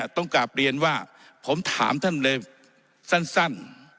ต้องกลับเรียนว่าผมถามท่านเลยสั้น